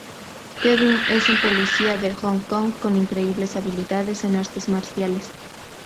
Kevin es un policía de Hong Kong con increíbles habilidades en artes marciales.